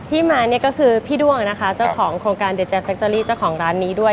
ที่มาเนี้ยก็คือพี่ด้วงนะคะเจ้าของโครงการเจ้าของร้านนี้ด้วย